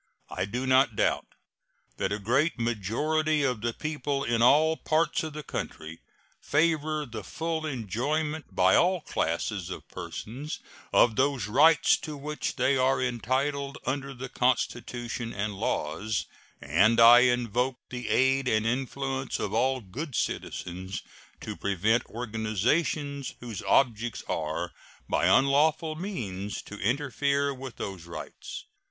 I do not doubt that a great majority of the people in all parts of the country favor the full enjoyment by all classes of persons of those rights to which they are entitled under the Constitution and laws, and I invoke the aid and influence of all good citizens to prevent organizations whose objects are by unlawful means to interfere with those rights.